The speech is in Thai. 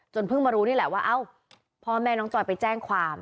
เพิ่งมารู้นี่แหละว่าเอ้าพ่อแม่น้องจอยไปแจ้งความ